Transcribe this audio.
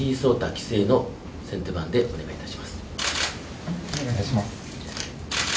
棋聖の先手番でお願お願いいたします。